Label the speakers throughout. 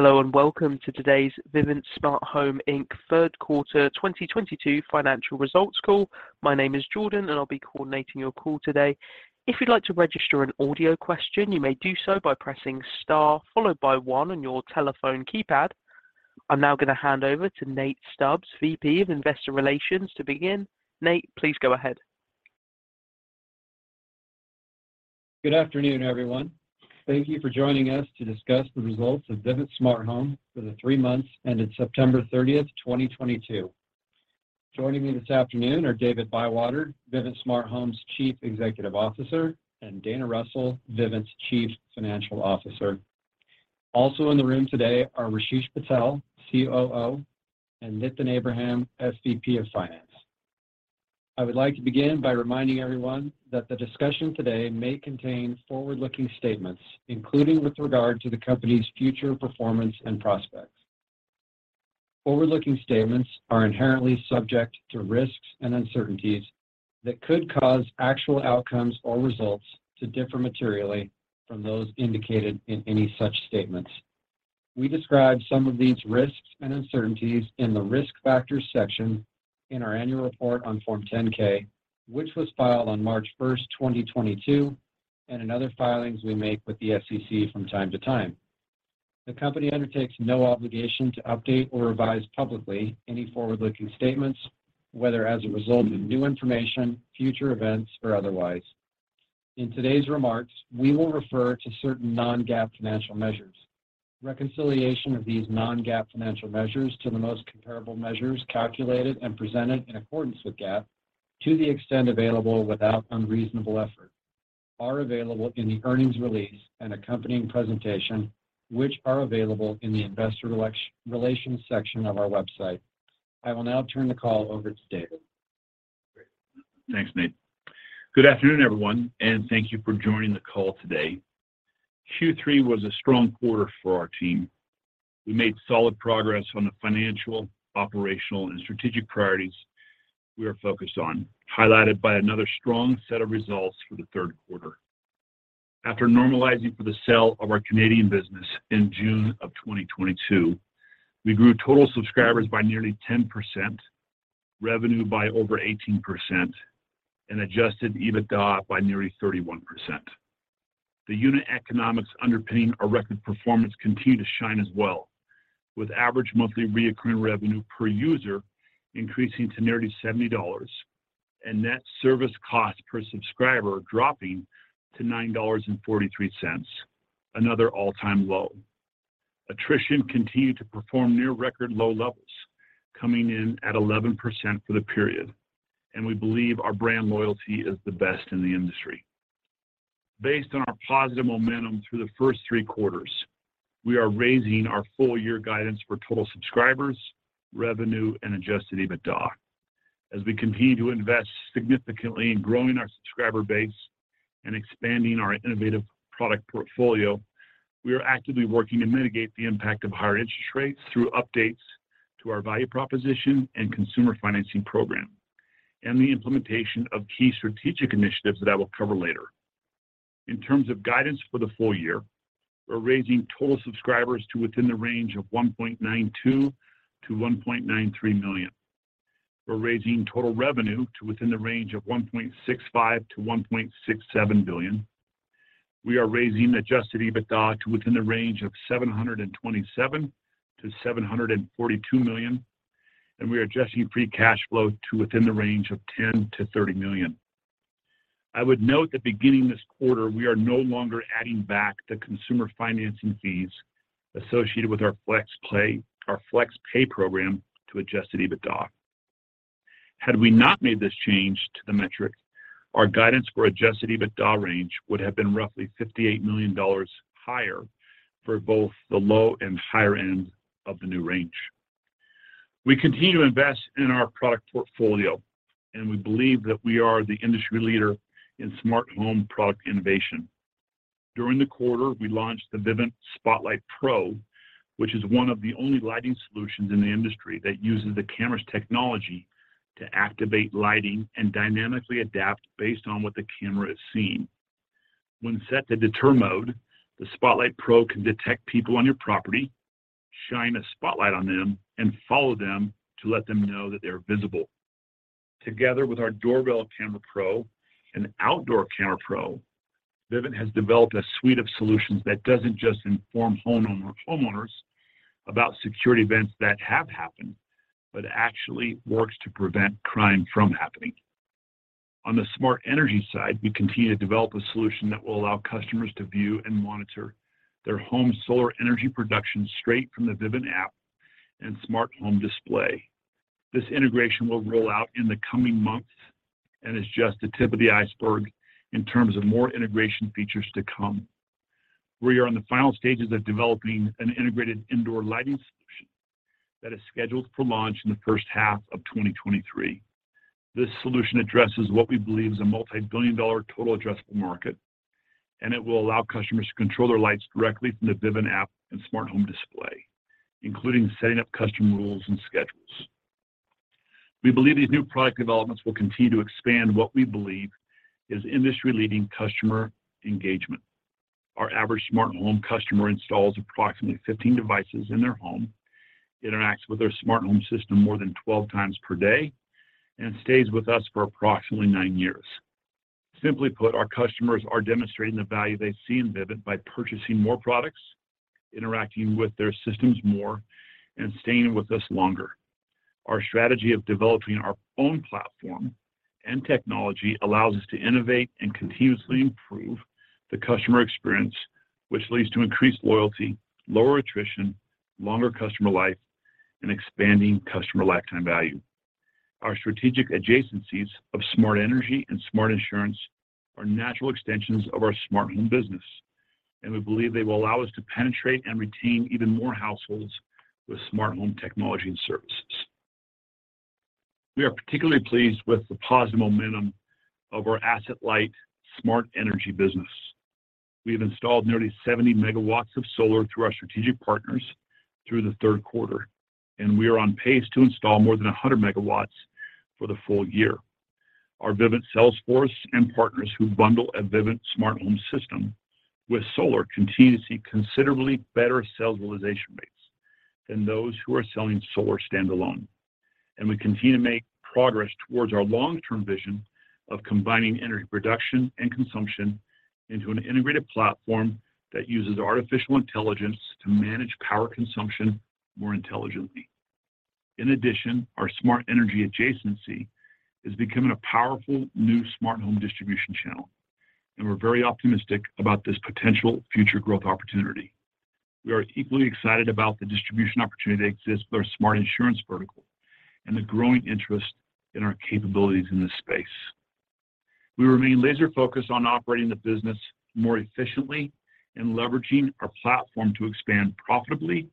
Speaker 1: Hello and welcome to today's Vivint Smart Home, Inc Third Quarter 2022 financial results call. My name is Jordan, and I'll be coordinating your call today. If you'd like to register an audio question, you may do so by pressing star followed by one on your telephone keypad. I'm now gonna hand over to Nate Stubbs, VP of Investor Relations, to begin. Nate, please go ahead.
Speaker 2: Good afternoon, everyone. Thank you for joining us to discuss the results of Vivint Smart Home for the three months ended September 30th, 2022. Joining me this afternoon are David Bywater, Vivint Smart Home's Chief Executive Officer, and Dana Russell, Vivint's Chief Financial Officer. Also in the room today are Rasesh Patel, COO, and Nitin Abraham, SVP of Finance. I would like to begin by reminding everyone that the discussion today may contain forward-looking statements, including with regard to the company's future performance and prospects. Forward-looking statements are inherently subject to risks and uncertainties that could cause actual outcomes or results to differ materially from those indicated in any such statements. We describe some of these risks and uncertainties in the Risk Factors section in our annual report on Form 10-K, which was filed on March 1st, 2022, and in other filings we make with the SEC from time to time. The company undertakes no obligation to update or revise publicly any forward-looking statements, whether as a result of new information, future events, or otherwise. In today's remarks, we will refer to certain non-GAAP financial measures. Reconciliation of these non-GAAP financial measures to the most comparable measures calculated and presented in accordance with GAAP, to the extent available without unreasonable effort, are available in the earnings release and accompanying presentation, which are available in the Investor Relations section of our website. I will now turn the call over to David.
Speaker 3: Thanks, Nate. Good afternoon, everyone, and thank you for joining the call today. Q3 was a strong quarter for our team. We made solid progress on the financial, operational, and strategic priorities we are focused on, highlighted by another strong set of results for the third quarter. After normalizing for the sale of our Canadian business in June of 2022, we grew total subscribers by nearly 10%, revenue by over 18%, and Adjusted EBITDA by nearly 31%. The unit economics underpinning our record performance continue to shine as well, with average monthly recurring revenue per user increasing to nearly $70 and net service cost per subscriber dropping to $9.43, another all-time low. Attrition continued to perform near record low levels, coming in at 11% for the period, and we believe our brand loyalty is the best in the industry. Based on our positive momentum through the first three quarters, we are raising our full year guidance for total subscribers, revenue, and Adjusted EBITDA. As we continue to invest significantly in growing our subscriber base and expanding our innovative product portfolio, we are actively working to mitigate the impact of higher interest rates through updates to our value proposition and consumer financing program, and the implementation of key strategic initiatives that I will cover later. In terms of guidance for the full year, we're raising total subscribers to within the range of 1.92 million-1.93 million. We're raising total revenue to within the range of $1.65 billion-$1.67 billion. We are raising Adjusted EBITDA to within the range of $727 million-$742 million, and we are adjusting free cash flow to within the range of $10 million-$30 million. I would note that beginning this quarter, we are no longer adding back the consumer financing fees associated with our Flex Pay, our Flex Pay program to Adjusted EBITDA. Had we not made this change to the metric, our guidance for Adjusted EBITDA range would have been roughly $58 million higher for both the low and higher end of the new range. We continue to invest in our product portfolio, and we believe that we are the industry leader in smart home product innovation. During the quarter, we launched the Vivint Spotlight Pro, which is one of the only lighting solutions in the industry that uses the camera's technology to activate lighting and dynamically adapt based on what the camera is seeing. When set to deter mode, the Spotlight Pro can detect people on your property, shine a spotlight on them, and follow them to let them know that they're visible. Together with our Doorbell Camera Pro and Outdoor Camera Pro, Vivint has developed a suite of solutions that doesn't just inform homeowners about security events that have happened, but actually works to prevent crime from happening. On the smart energy side, we continue to develop a solution that will allow customers to view and monitor their home solar energy production straight from the Vivint app and smart home display. This integration will roll out in the coming months and is just the tip of the iceberg in terms of more integration features to come. We are in the final stages of developing an integrated indoor lighting solution that is scheduled for launch in the first half of 2023. This solution addresses what we believe is a multi-billion dollar total addressable market, and it will allow customers to control their lights directly from the Vivint app and smart home display, including setting up custom rules and schedules. We believe these new product developments will continue to expand what we believe is industry-leading customer engagement. Our average smart home customer installs approximately 15 devices in their home, interacts with their smart home system more than 12 times per day, and stays with us for approximately nine years. Simply put, our customers are demonstrating the value they see in Vivint by purchasing more products, interacting with their systems more, and staying with us longer. Our strategy of developing our own platform and technology allows us to innovate and continuously improve the customer experience, which leads to increased loyalty, lower attrition, longer customer life, and expanding customer lifetime value. Our strategic adjacencies of smart energy and smart insurance are natural extensions of our smart home business, and we believe they will allow us to penetrate and retain even more households with smart home technology and services. We are particularly pleased with the positive momentum of our asset-light smart energy business. We have installed nearly 70 MW of solar through our strategic partners through the third quarter, and we are on pace to install more than 100 MW for the full year. Our Vivint sales force and partners who bundle a Vivint smart home system with solar continue to see considerably better sales realization rates than those who are selling solar standalone. We continue to make progress towards our long-term vision of combining energy production and consumption into an integrated platform that uses artificial intelligence to manage power consumption more intelligently. In addition, our smart energy adjacency is becoming a powerful new smart home distribution channel, and we're very optimistic about this potential future growth opportunity. We are equally excited about the distribution opportunity that exists with our smart insurance vertical and the growing interest in our capabilities in this space. We remain laser-focused on operating the business more efficiently and leveraging our platform to expand profitably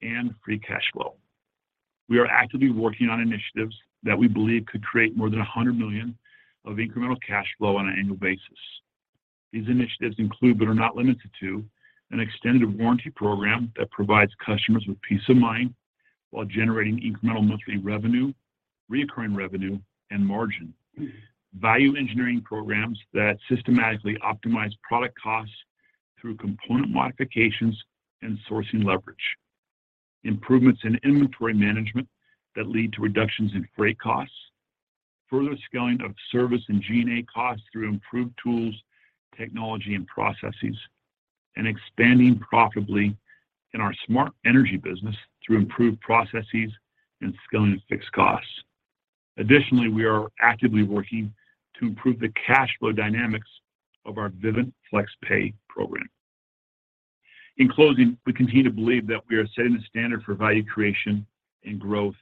Speaker 3: and free cash flow. We are actively working on initiatives that we believe could create more than $100 million of incremental cash flow on an annual basis. These initiatives include, but are not limited to, an extended warranty program that provides customers with peace of mind while generating incremental monthly revenue, recurring revenue, and margin. Value engineering programs that systematically optimize product costs through component modifications and sourcing leverage. Improvements in inventory management that lead to reductions in freight costs. Further scaling of service and G&A costs through improved tools, technology, and processes, and expanding profitably in our smart energy business through improved processes and scaling fixed costs. Additionally, we are actively working to improve the cash flow dynamics of our Vivint Flex Pay program. In closing, we continue to believe that we are setting the standard for value creation and growth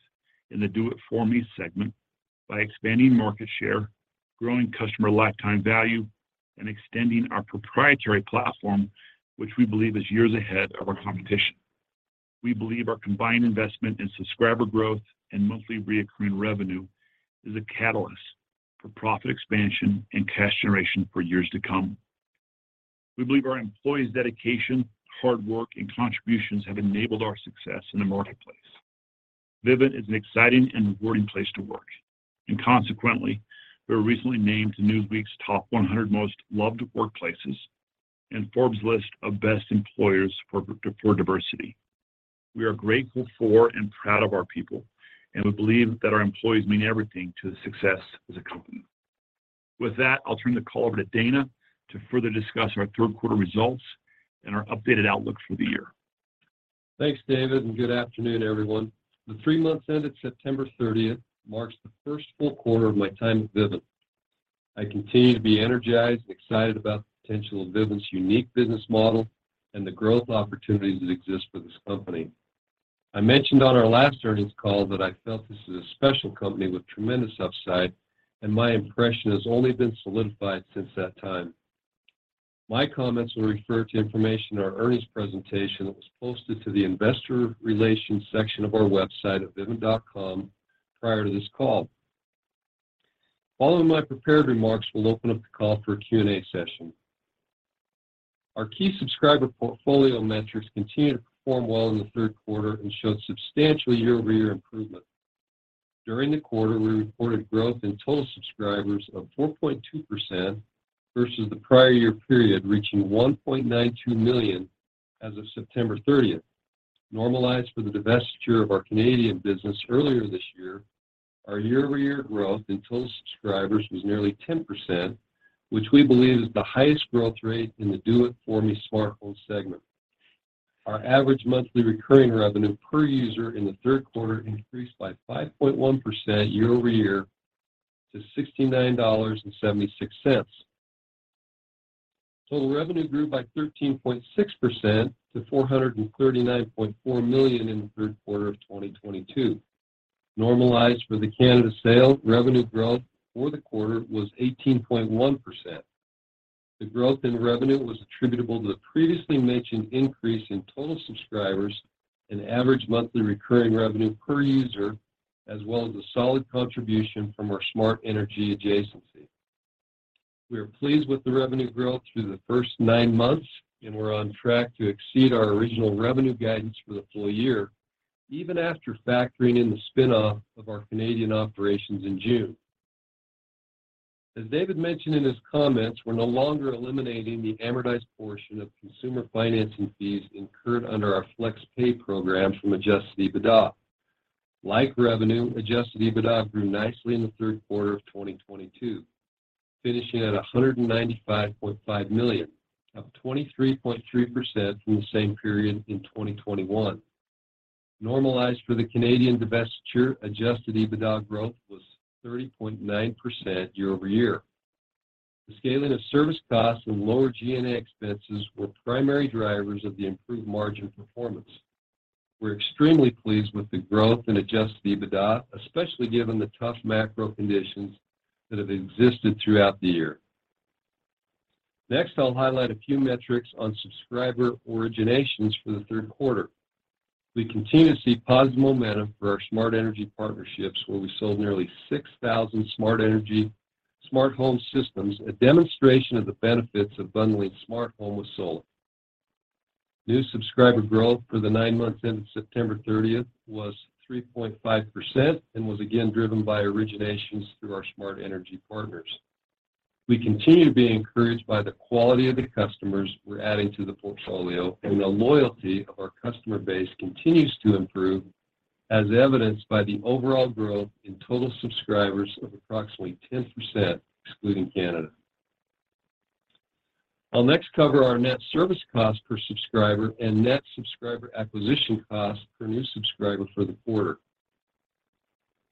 Speaker 3: in the do it for me segment by expanding market share, growing customer lifetime value, and extending our proprietary platform, which we believe is years ahead of our competition. We believe our combined investment in subscriber growth and monthly recurring revenue is a catalyst for profit expansion and cash generation for years to come. We believe our employees' dedication, hard work, and contributions have enabled our success in the marketplace. Vivint is an exciting and rewarding place to work, and consequently, we were recently named Newsweek's Top 100 Most Loved Workplaces and Forbes list of Best Employers For Diversity. We are grateful for and proud of our people, and we believe that our employees mean everything to the success as a company. With that, I'll turn the call over to Dana to further discuss our third quarter results and our updated outlook for the year.
Speaker 4: Thanks, David, and good afternoon, everyone. The three months ended September 30th marks the first full quarter of my time at Vivint. I continue to be energized and excited about the potential of Vivint's unique business model and the growth opportunities that exist for this company. I mentioned on our last earnings call that I felt this is a special company with tremendous upside, and my impression has only been solidified since that time. My comments will refer to information in our earnings presentation that was posted to the investor relations section of our website at vivint.com prior to this call. Following my prepared remarks, we'll open up the call for a Q&A session. Our key subscriber portfolio metrics continued to perform well in the third quarter and showed substantial year-over-year improvement. During the quarter, we reported growth in total subscribers of 4.2% versus the prior year period, reaching 1.92 million as of September 30th. Normalized for the divestiture of our Canadian business earlier this year, our year-over-year growth in total subscribers was nearly 10%, which we believe is the highest growth rate in the do-it-for-me smart home segment. Our average monthly recurring revenue per user in the third quarter increased by 5.1% year-over-year to $69.76. Total revenue grew by 13.6% to $439.4 million in the third quarter of 2022. Normalized for the Canada sale, revenue growth for the quarter was 18.1%. The growth in revenue was attributable to the previously mentioned increase in total subscribers and average monthly recurring revenue per user, as well as a solid contribution from our smart energy adjacencies. We are pleased with the revenue growth through the first nine months, and we're on track to exceed our original revenue guidance for the full year, even after factoring in the spin-off of our Canadian operations in June. As David mentioned in his comments, we're no longer eliminating the amortized portion of consumer financing fees incurred under our Flex Pay program from Adjusted EBITDA. Like revenue, Adjusted EBITDA grew nicely in the third quarter of 2022, finishing at $195.5 million, up 23.3% from the same period in 2021. Normalized for the Canadian divestiture, Adjusted EBITDA growth was 30.9% year-over-year. The scaling of service costs and lower G&A expenses were primary drivers of the improved margin performance. We're extremely pleased with the growth in Adjusted EBITDA, especially given the tough macro conditions that have existed throughout the year. Next, I'll highlight a few metrics on subscriber originations for the third quarter. We continue to see positive momentum for our smart energy partnerships, where we sold nearly 6,000 Smart Energy smart home systems, a demonstration of the benefits of bundling smart home with solar. New subscriber growth for the nine months ended September 30th was 3.5% and was again driven by originations through our Smart Energy partners. We continue to be encouraged by the quality of the customers we're adding to the portfolio, and the loyalty of our customer base continues to improve, as evidenced by the overall growth in total subscribers of approximately 10% excluding Canada. I'll next cover our net service cost per subscriber and net subscriber acquisition cost per new subscriber for the quarter.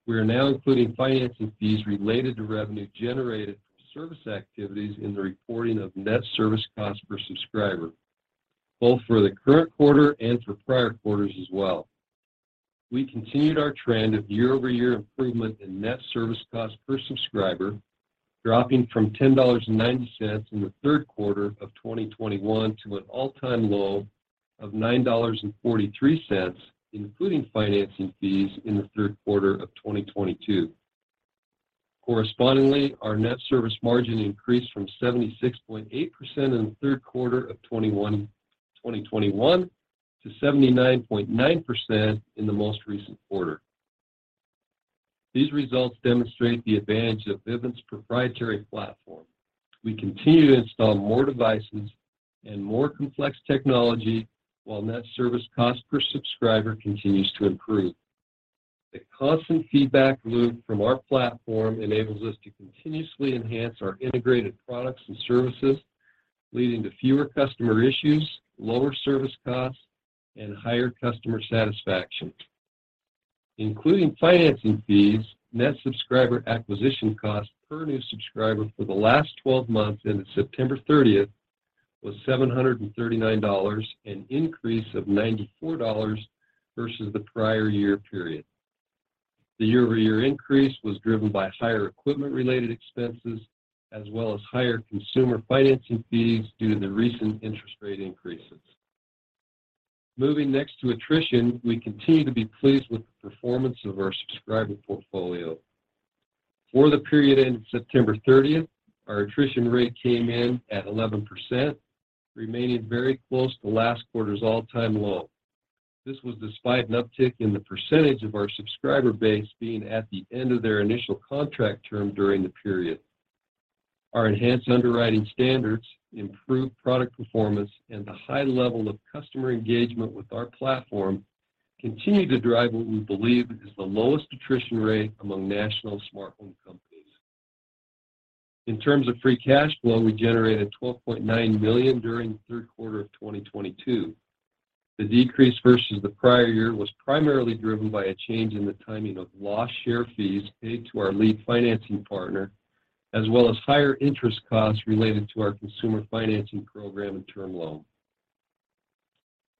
Speaker 4: We are now including financing fees related to revenue generated from service activities in the reporting of net service cost per subscriber, both for the current quarter and for prior quarters as well. We continued our trend of year-over-year improvement in net service cost per subscriber, dropping from $10.90 in the third quarter of 2021 to an all-time low of $9.43, including financing fees in the third quarter of 2022. Correspondingly, our net service margin increased from 76.8% in the third quarter of 2021 to 79.9% in the most recent quarter. These results demonstrate the advantage of Vivint's proprietary platform. We continue to install more devices and more complex technology while net service cost per subscriber continues to improve. The constant feedback loop from our platform enables us to continuously enhance our integrated products and services, leading to fewer customer issues, lower service costs, and higher customer satisfaction. Including financing fees, net subscriber acquisition costs per new subscriber for the last 12 months ended September 30th was $739, an increase of $94 versus the prior year period. The year-over-year increase was driven by higher equipment-related expenses as well as higher consumer financing fees due to the recent interest rate increases. Moving next to attrition, we continue to be pleased with the performance of our subscriber portfolio. For the period ending September 30th, our attrition rate came in at 11%, remaining very close to last quarter's all-time low. This was despite an uptick in the percentage of our subscriber base being at the end of their initial contract term during the period. Our enhanced underwriting standards, improved product performance, and the high level of customer engagement with our platform continue to drive what we believe is the lowest attrition rate among national smart home companies. In terms of free cash flow, we generated $12.9 million during the third quarter of 2022. The decrease versus the prior year was primarily driven by a change in the timing of loss share fees paid to our lead financing partner, as well as higher interest costs related to our consumer financing program and term loan.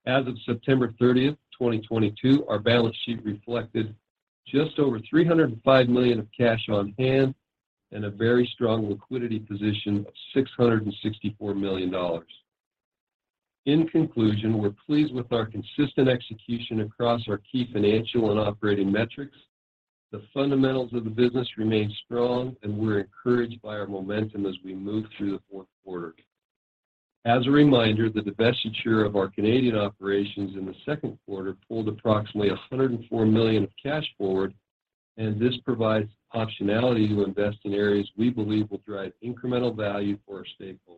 Speaker 4: As of September 30th, 2022, our balance sheet reflected just over $305 million of cash on hand and a very strong liquidity position of $664 million. In conclusion, we're pleased with our consistent execution across our key financial and operating metrics. The fundamentals of the business remain strong, and we're encouraged by our momentum as we move through the fourth quarter. As a reminder, the divestiture of our Canadian operations in the second quarter pulled approximately $104 million of cash forward, and this provides optionality to invest in areas we believe will drive incremental value for our stakeholders.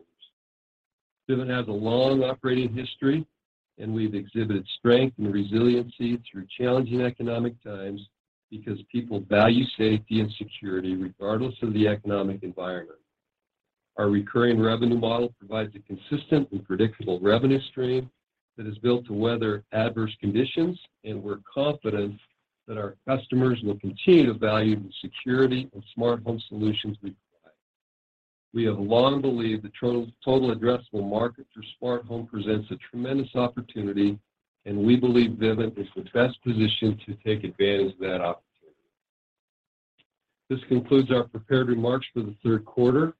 Speaker 4: Vivint has a long operating history, and we've exhibited strength and resiliency through challenging economic times because people value safety and security regardless of the economic environment. Our recurring revenue model provides a consistent and predictable revenue stream that is built to weather adverse conditions, and we're confident that our customers will continue to value the security of smart home solutions we provide. We have long believed the total addressable market for smart home presents a tremendous opportunity, and we believe Vivint is the best positioned to take advantage of that opportunity. This concludes our prepared remarks for the third quarter.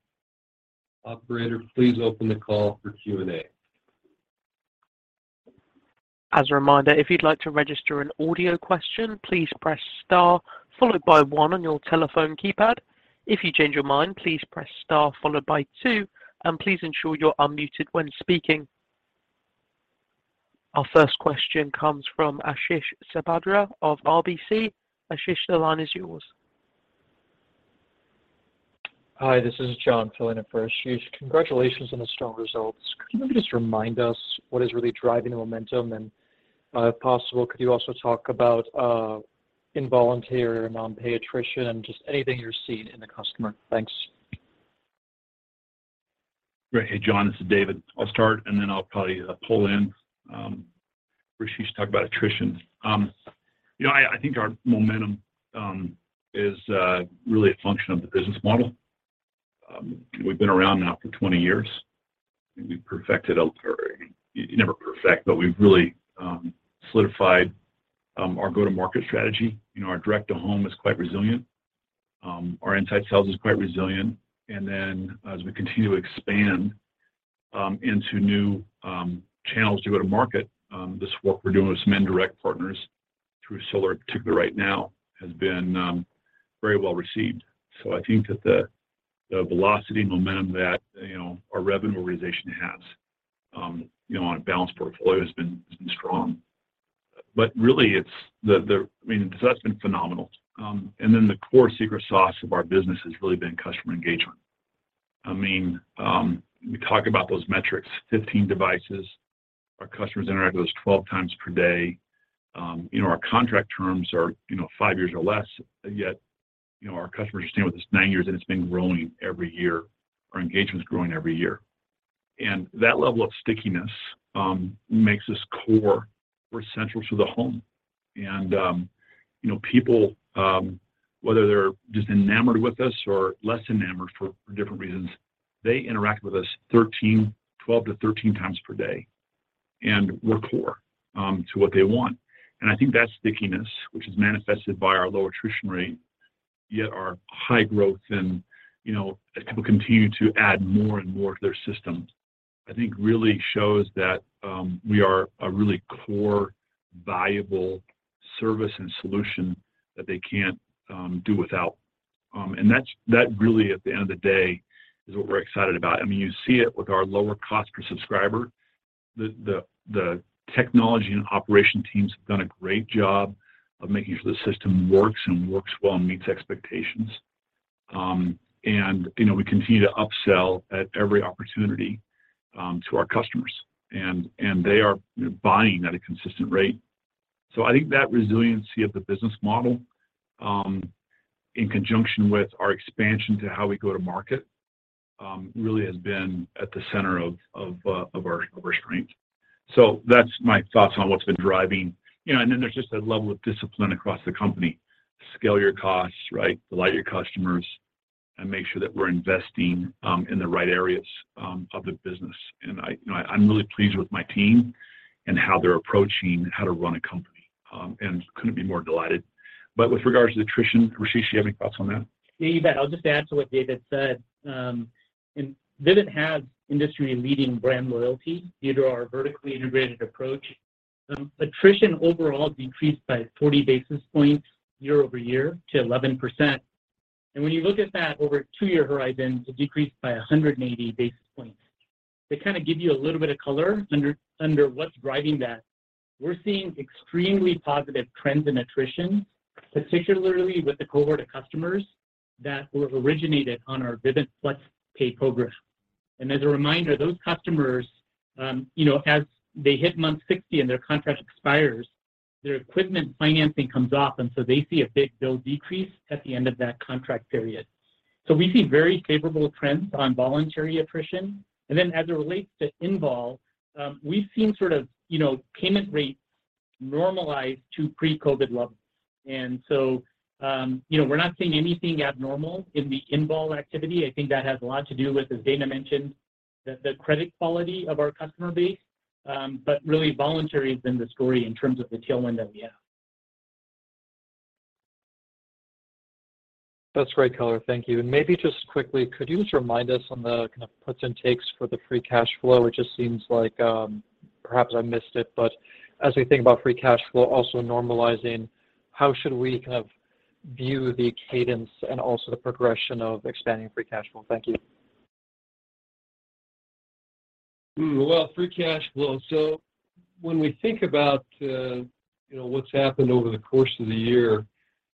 Speaker 4: Operator, please open the call for Q&A.
Speaker 1: As a reminder, if you'd like to register an audio question, please press star followed by one on your telephone keypad. If you change your mind, please press star followed by two, and please ensure you're unmuted when speaking. Our first question comes from Ashish Sabadra of RBC. Ashish, the line is yours.
Speaker 5: Hi, this is John filling in for Ashish. Congratulations on the strong results. Could you maybe just remind us what is really driving the momentum? If possible, could you also talk about involuntary and non-pay attrition and just anything you're seeing in the customer? Thanks.
Speaker 3: Great. Hey, John, this is David. I'll start, and then I'll probably pull in Rasesh to talk about attrition. You know, I think our momentum is really a function of the business model. We've been around now for 20 years, and we've perfected. Or, I mean, you're never perfect, but we've really solidified our go-to-market strategy. You know, our direct-to-home is quite resilient. Our inside sales is quite resilient. As we continue to expand into new channels to go to market, this work we're doing with some indirect partners through Solar particularly right now has been very well received. I think that the velocity and momentum that you know our revenue organization has you know on a balanced portfolio has been strong. Really, it's the. I mean, that's been phenomenal. The core secret sauce of our business has really been customer engagement. I mean, we talk about those metrics, 15 devices. Our customers interact with us 12 times per day. You know, our contract terms are, you know, five years or less, yet, you know, our customers are staying with us nine years, and it's been growing every year. Our engagement's growing every year. That level of stickiness makes us core. We're central to the home. You know, people, whether they're just enamored with us or less enamored for different reasons, they interact with us 13, 12-13 times per day, and we're core to what they want. I think that stickiness, which is manifested by our lower attrition rate, yet our high growth and, you know, as people continue to add more and more to their systems, I think really shows that we are a really core, valuable service and solution that they can't do without. That's really, at the end of the day, what we're excited about. I mean, you see it with our lower cost per subscriber. The technology and operations teams have done a great job of making sure the system works and works well and meets expectations. You know, we continue to upsell at every opportunity to our customers. They are, you know, buying at a consistent rate. I think that resiliency of the business model, in conjunction with our expansion to how we go to market, really has been at the center of our strength. That's my thoughts on what's been driving. You know, then there's just a level of discipline across the company. Scale your costs, right, delight your customers, and make sure that we're investing in the right areas of the business. I, you know, I'm really pleased with my team and how they're approaching how to run a company, and couldn't be more delighted. With regards to the attrition, Rasesh, do you have any thoughts on that?
Speaker 6: Yeah, you bet. I'll just add to what David said. Vivint has industry-leading brand loyalty due to our vertically integrated approach. Attrition overall decreased by 40 basis points year-over-year to 11%. When you look at that over a two-year horizon, it decreased by 180 basis points. To kinda give you a little bit of color under what's driving that, we're seeing extremely positive trends in attrition, particularly with the cohort of customers that were originated on our Vivint Flex Pay program. As a reminder, those customers, as they hit month 60 and their contract expires, their equipment financing comes off, and so they see a big bill decrease at the end of that contract period. We see very favorable trends on voluntary attrition. As it relates to involuntary, we've seen sort of, you know, payment rates normalize to pre-COVID levels. We're not seeing anything abnormal in the involuntary activity. I think that has a lot to do with, as Dana mentioned, the credit quality of our customer base. Really voluntary has been the story in terms of the tailwind that we have.
Speaker 5: That's great color. Thank you. Maybe just quickly, could you just remind us on the kind of puts and takes for the free cash flow? It just seems like, perhaps I missed it, but as we think about free cash flow also normalizing, how should we kind of view the cadence and also the progression of expanding free cash flow? Thank you.
Speaker 4: Well, free cash flow. When we think about, you know, what's happened over the course of the year,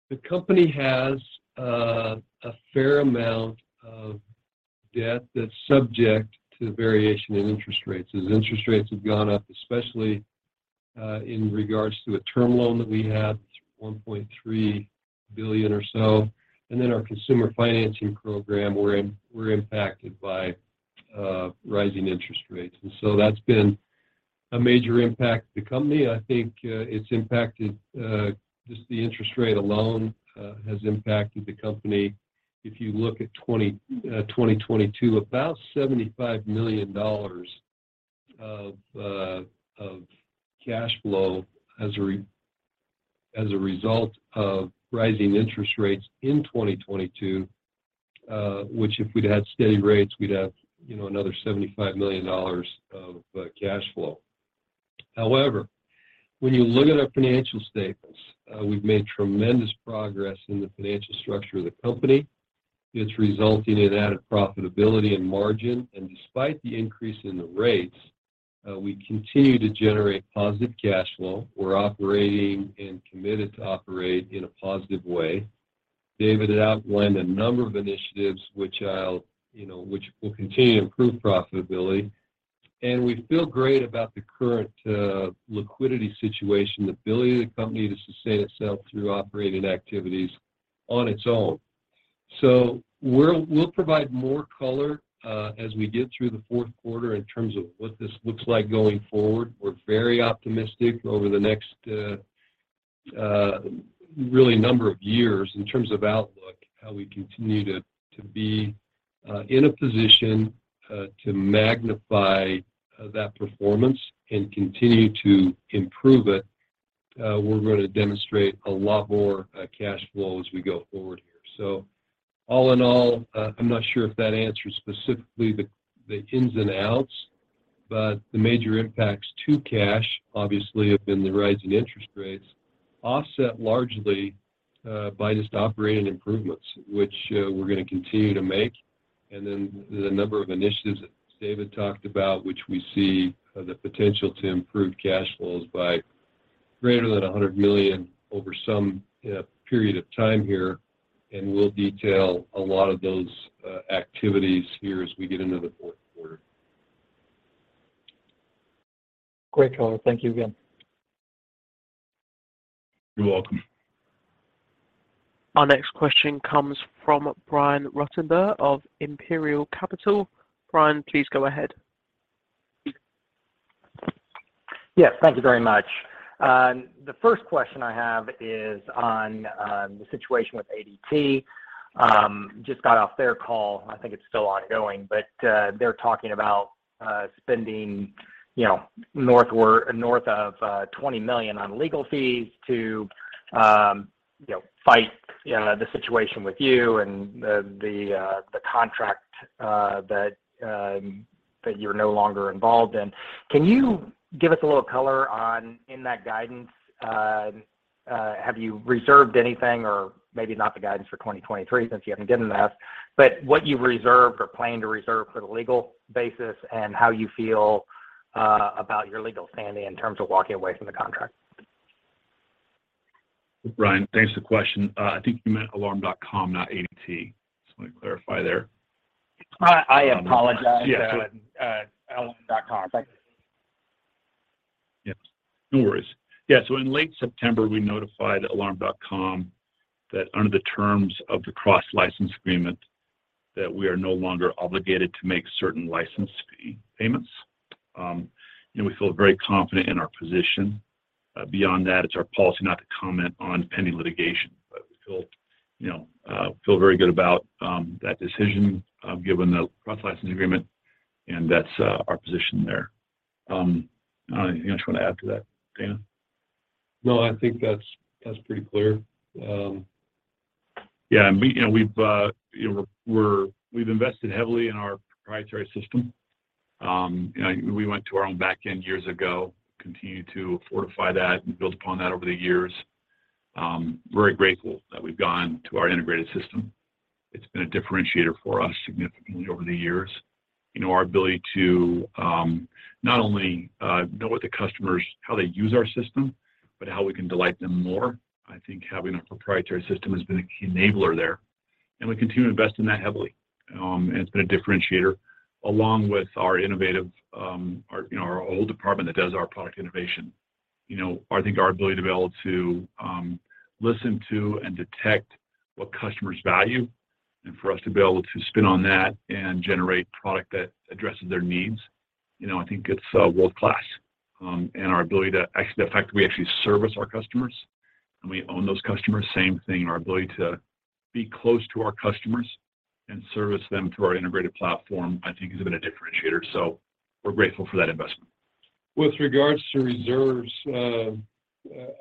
Speaker 4: the company has a fair amount of debt that's subject to the variation in interest rates. As interest rates have gone up, especially, in regards to a term loan that we had, $1.3 billion or so, and then our consumer financing program, we're impacted by rising interest rates. And so that's been a major impact to the company. I think it's impacted just the interest rate alone has impacted the company. If you look at 2022, about $75 million of cash flow as a re- As a result of rising interest rates in 2022, which if we'd had steady rates, we'd have, you know, another $75 million of cash flow. However, when you look at our financial statements, we've made tremendous progress in the financial structure of the company. It's resulting in added profitability and margin. Despite the increase in the rates, we continue to generate positive cash flow. We're operating and committed to operate in a positive way. David outlined a number of initiatives which will continue to improve profitability. We feel great about the current liquidity situation, the ability of the company to sustain itself through operating activities on its own. We'll provide more color as we get through the fourth quarter in terms of what this looks like going forward. We're very optimistic over the next real number of years in terms of outlook, how we continue to be in a position to magnify that performance and continue to improve it. We're going to demonstrate a lot more cash flow as we go forward here. All in all, I'm not sure if that answers specifically the ins and outs, but the major impacts to cash obviously have been the rising interest rates, offset largely by just operating improvements, which we're going to continue to make. Then the number of initiatives that David talked about, which we see the potential to improve cash flows by greater than $100 million over some period of time here. We'll detail a lot of those activities here as we get into the fourth quarter.
Speaker 5: Great color. Thank you again.
Speaker 4: You're welcome.
Speaker 1: Our next question comes from Brian Ruttenbur of Imperial Capital. Brian, please go ahead.
Speaker 7: Yes, thank you very much. The first question I have is on the situation with ADT. Just got off their call. I think it's still ongoing, but they're talking about spending, you know, north of $20 million on legal fees to fight the situation with you and the contract that you're no longer involved in. Can you give us a little color on that guidance? Have you reserved anything or maybe not the guidance for 2023 since you haven't given that, but what you reserved or plan to reserve for the legal basis and how you feel about your legal standing in terms of walking away from the contract?
Speaker 3: Brian, thanks for the question. I think you meant Alarm.com, not ADT. Just want to clarify there.
Speaker 7: I apologize.
Speaker 3: Yeah.
Speaker 7: Alarm.com. Thank you.
Speaker 3: Yes. No worries. Yeah. In late September, we notified Alarm.com that under the terms of the cross-license agreement that we are no longer obligated to make certain license fee payments. And we feel very confident in our position. Beyond that, it's our policy not to comment on pending litigation, but we feel, you know, very good about that decision, given the cross-license agreement, and that's our position there. I don't know if you want to add to that, Dana?
Speaker 4: No, I think that's pretty clear.
Speaker 3: Yeah. We've invested heavily in our proprietary system. We went to our own back end years ago, continue to fortify that and build upon that over the years. Very grateful that we've gone to our integrated system. It's been a differentiator for us significantly over the years. Our ability to not only know what the customers, how they use our system, but how we can delight them more. I think having a proprietary system has been a key enabler there, and we continue to invest in that heavily. It's been a differentiator along with our innovative our whole department that does our product innovation. You know, I think our ability to be able to listen to and detect what customers value and for us to be able to spin on that and generate product that addresses their needs, you know, I think it's world-class. The fact that we actually service our customers and we own those customers, same thing. Our ability to be close to our customers and service them through our integrated platform, I think has been a differentiator. We're grateful for that investment.
Speaker 4: With regards to reserves,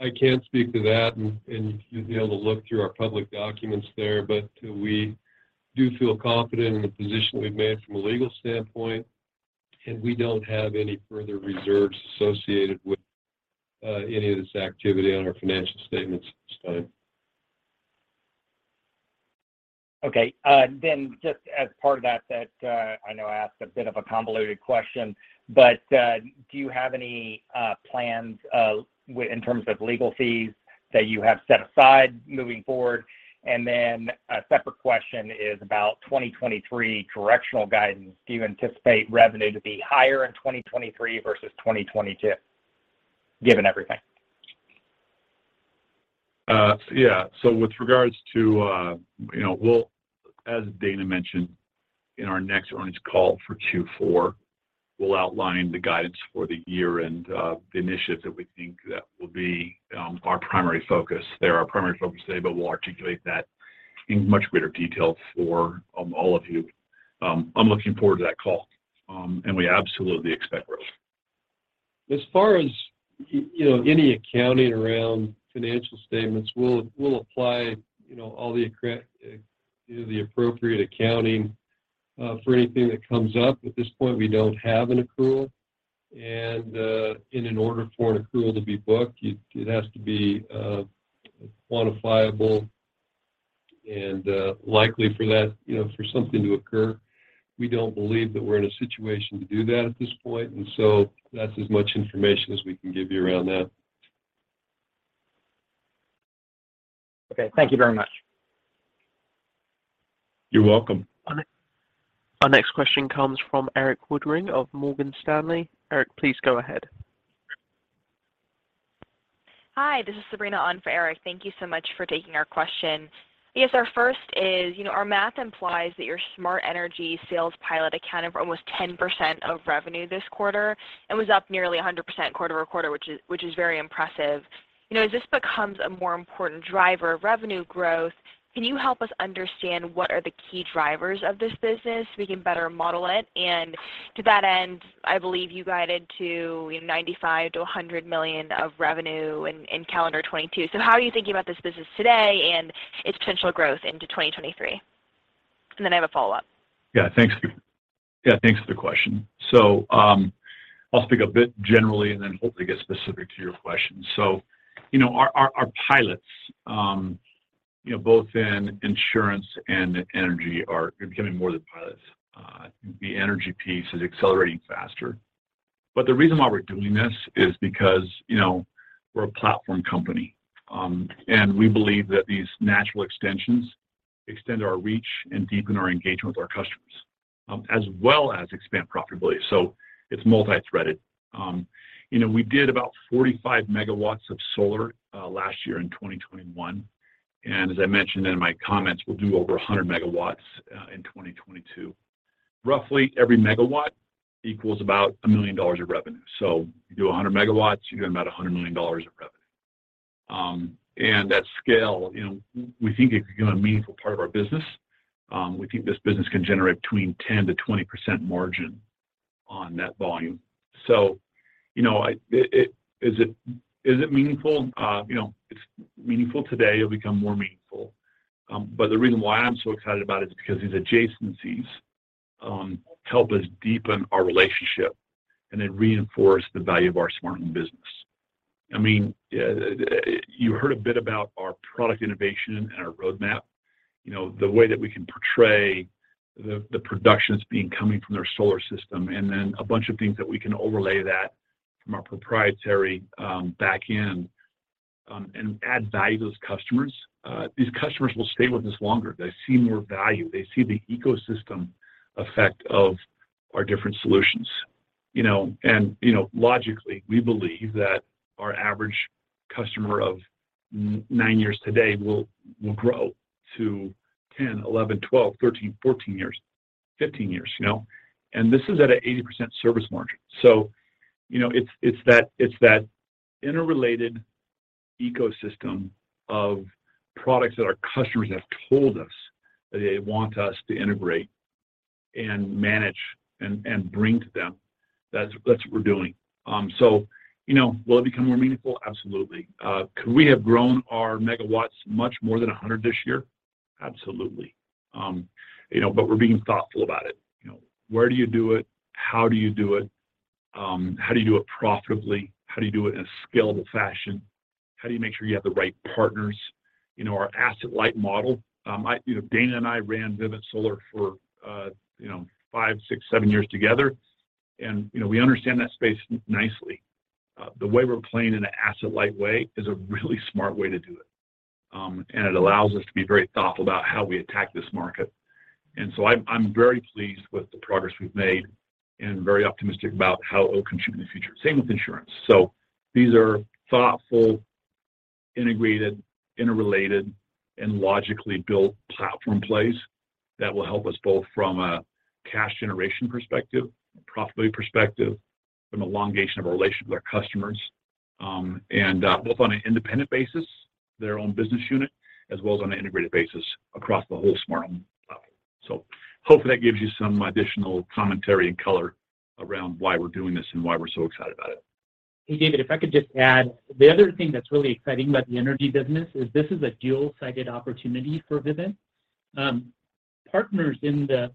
Speaker 4: I can't speak to that and you'd be able to look through our public documents there. We do feel confident in the position we've made from a legal standpoint, and we don't have any further reserves associated with any of this activity on our financial statements at this time.
Speaker 7: Okay. Then just as part of that, I know I asked a bit of a convoluted question, but do you have any plans in terms of legal fees that you have set aside moving forward? A separate question is about 2023 correctional guidance. Do you anticipate revenue to be higher in 2023 versus 2022, given everything?
Speaker 3: With regards to, you know, well, as Dana mentioned in our next earnings call for Q4, we'll outline the guidance for the year and the initiatives that we think that will be our primary focus there. Our primary focus today, but we'll articulate that in much greater detail for all of you. I'm looking forward to that call, and we absolutely expect growth.
Speaker 4: As far as you know, any accounting around financial statements, we'll apply, you know, all the appropriate accounting for anything that comes up. At this point, we don't have an accrual, and in order for an accrual to be booked, it has to be quantifiable and likely for that, you know, for something to occur. We don't believe that we're in a situation to do that at this point, and so that's as much information as we can give you around that.
Speaker 7: Okay. Thank you very much.
Speaker 3: You're welcome.
Speaker 1: Our next question comes from Erik Woodring of Morgan Stanley. Erik, please go ahead.
Speaker 8: Hi, this is Sabrina on for Erik. Thank you so much for taking our question. I guess our first is, you know, our math implies that your smart energy sales pilot accounted for almost 10% of revenue this quarter and was up nearly 100% quarter-over-quarter, which is very impressive. You know, as this becomes a more important driver of revenue growth, can you help us understand what are the key drivers of this business so we can better model it? To that end, I believe you guided to, you know, $95 million-$100 million of revenue in calendar 2022. How are you thinking about this business today and its potential growth into 2023? I have a follow-up.
Speaker 3: Yeah. Thanks, Sabrina. Yeah, thanks for the question. I'll speak a bit generally and then hopefully get specific to your question. You know, our pilots, both in insurance and energy, are becoming more than pilots. The energy piece is accelerating faster. The reason why we're doing this is because, you know, we're a platform company. We believe that these natural extensions extend our reach and deepen our engagement with our customers, as well as expand profitability. It's multi-threaded. You know, we did about 45 MW of solar last year in 2021, and as I mentioned in my comments, we'll do over 100 MW in 2022. Roughly every megawatt equals about $1 million of revenue. You do 100 MW, you're doing about $100 million of revenue. That scale, you know, we think it's gonna be a meaningful part of our business. We think this business can generate between 10%-20% margin on that volume. You know, is it meaningful? You know, it's meaningful today. It'll become more meaningful. The reason why I'm so excited about it is because these adjacencies help us deepen our relationship, and they reinforce the value of our smart home business. I mean, you heard a bit about our product innovation and our roadmap. You know, the way that we can portray the productions being coming from their solar system, and then a bunch of things that we can overlay that from our proprietary backend, and add value to those customers. These customers will stay with us longer. They see more value. They see the ecosystem effect of our different solutions. You know, you know, logically, we believe that our average customer of nine years today will grow to 10, 11, 12, 13, 14 years, 15 years, you know? This is at a 80% service margin. You know, it's that interrelated ecosystem of products that our customers have told us that they want us to integrate and manage and bring to them. That's what we're doing. You know, will it become more meaningful? Absolutely. You know, but we're being thoughtful about it. You know, where do you do it? How do you do it? How do you do it profitably? How do you do it in a scalable fashion? How do you make sure you have the right partners? You know, our asset light model, you know, Dana and I ran Vivint Solar for, you know, five, six, seven years together and, you know, we understand that space nicely. The way we're playing in an asset light way is a really smart way to do it. It allows us to be very thoughtful about how we attack this market. I'm very pleased with the progress we've made and very optimistic about how it will contribute in the future. Same with insurance. These are thoughtful, integrated, interrelated, and logically built platform plays that will help us both from a cash generation perspective, a profitability perspective, from elongation of our relationship with our customers, and both on an independent basis, their own business unit, as well as on an integrated basis across the whole smart home platform. Hopefully that gives you some additional commentary and color around why we're doing this and why we're so excited about it.
Speaker 6: Hey, David, if I could just add, the other thing that's really exciting about the energy business is this is a dual-sided opportunity for Vivint. Partners in the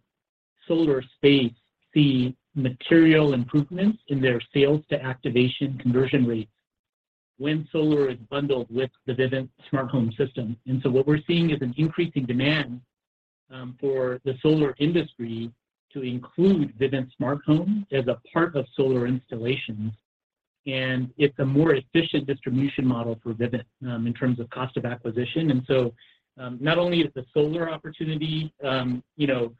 Speaker 6: solar space see material improvements in their sales to activation conversion rates when solar is bundled with the Vivint Smart Home system. What we're seeing is an increasing demand for the solar industry to include Vivint Smart Home as a part of solar installations. It's a more efficient distribution model for Vivint in terms of cost of acquisition. Not only is the solar opportunity you know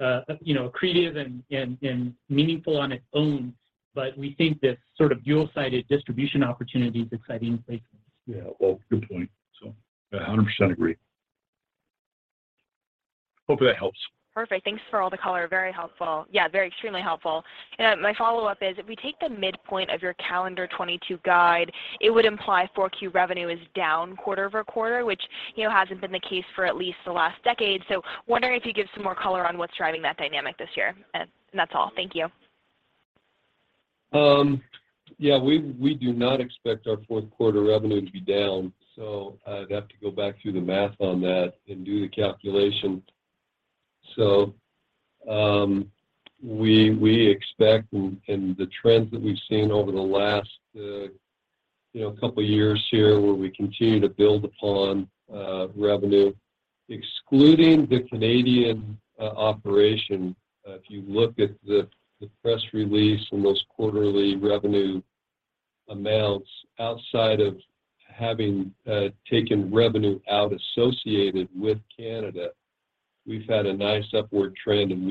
Speaker 6: accretive and meaningful on its own, but we think this sort of dual-sided distribution opportunity is exciting in place.
Speaker 3: Yeah. Well, good point. Yeah, 100% agree. Hope that helps.
Speaker 8: Perfect. Thanks for all the color. Very helpful. Yeah, very extremely helpful. My follow-up is, if we take the midpoint of your calendar 2022 guide, it would imply Q4 revenue is down quarter-over-quarter, which, you know, hasn't been the case for at least the last decade. Wondering if you could give some more color on what's driving that dynamic this year. That's all. Thank you.
Speaker 4: Yeah, we do not expect our fourth quarter revenue to be down, so I'd have to go back through the math on that and do the calculation. We expect the trends that we've seen over the last you know couple of years here where we continue to build upon revenue, excluding the Canadian operation. If you look at the press release and those quarterly revenue amounts outside of having taken revenue out associated with Canada, we've had a nice upward trend, and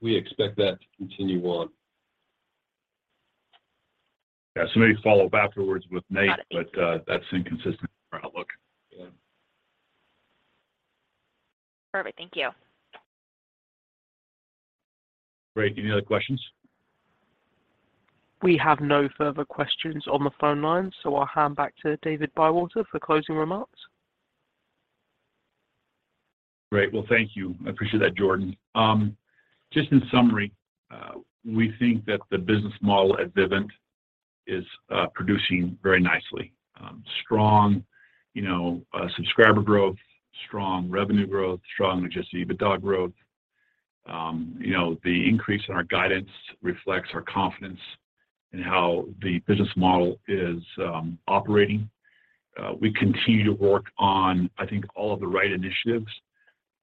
Speaker 4: we expect that to continue on.
Speaker 3: Yeah. Somebody follow up afterwards with Nate, but, that's inconsistent with our outlook.
Speaker 4: Yeah.
Speaker 8: Perfect. Thank you.
Speaker 3: Great. Any other questions?
Speaker 1: We have no further questions on the phone line, so I'll hand back to David Bywater for closing remarks.
Speaker 3: Great. Well, thank you. I appreciate that, Jordan. Just in summary, we think that the business model at Vivint is producing very nicely. Strong, you know, subscriber growth, strong revenue growth, strong Adjusted EBITDA growth. You know, the increase in our guidance reflects our confidence in how the business model is operating. We continue to work on, I think, all of the right initiatives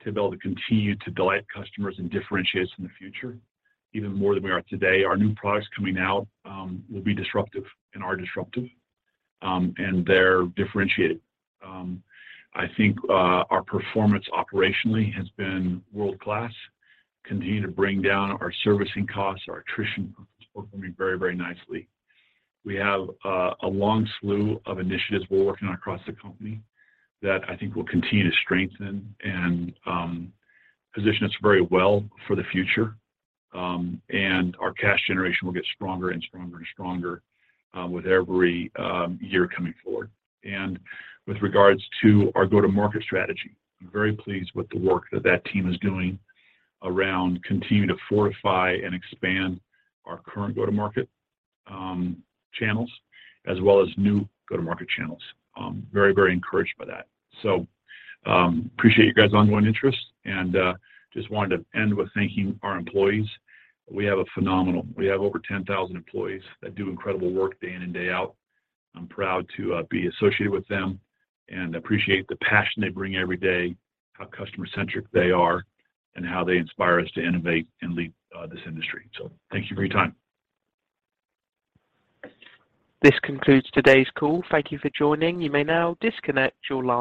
Speaker 3: to be able to continue to delight customers and differentiate us in the future even more than we are today. Our new products coming out will be disruptive and are disruptive, and they're differentiated. I think our performance operationally has been world-class. Continue to bring down our servicing costs, our attrition costs, performing very, very nicely. We have a long slew of initiatives we're working on across the company that I think will continue to strengthen and position us very well for the future. Our cash generation will get stronger with every year coming forward. With regards to our go-to-market strategy, I'm very pleased with the work that team is doing around continuing to fortify and expand our current go-to-market channels as well as new go-to-market channels. Very, very encouraged by that. Appreciate you guys' ongoing interest and just wanted to end with thanking our employees. We have over 10,000 employees that do incredible work day in and day out. I'm proud to be associated with them and appreciate the passion they bring every day, how customer-centric they are, and how they inspire us to innovate and lead this industry. Thank you for your time.
Speaker 1: This concludes today's call. Thank you for joining. You may now disconnect your line.